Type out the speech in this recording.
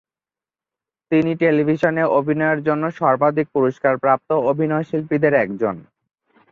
তিনি টেলিভিশনে অভিনয়ের জন্য সর্বাধিক পুরস্কারপ্রাপ্ত অভিনয়শিল্পীদের একজন।